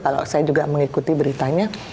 kalau saya juga mengikuti beritanya